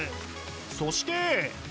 そして！